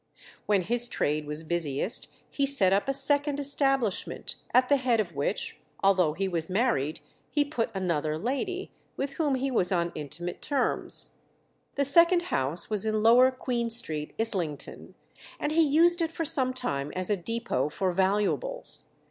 When his trade was busiest he set up a second establishment, at the head of which, although he was married, he put another lady, with whom he was on intimate terms. The second house was in Lower Queen Street, Islington, and he used it for some time as a depot for valuables.